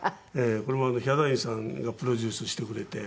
これもヒャダインさんがプロデュースしてくれて。